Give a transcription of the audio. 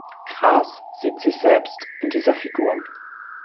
Grass sieht sich selbst in dieser Figur.